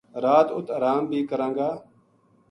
رات ات اَرام بی کراں گا